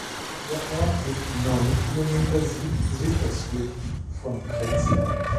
Der Ort liegt neun Kilometer südsüdöstlich von Prenzlau.